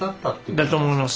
だと思います。